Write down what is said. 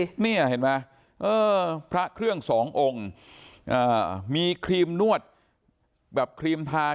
ออกให้ไหมพระเครื่องสององค์อะอย่างมีคีรีมนวดแบบครีมทา